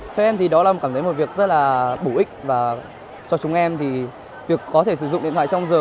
theo em thì đó là một cảm thấy một việc rất là bổ ích và cho chúng em thì việc có thể sử dụng điện thoại trong giờ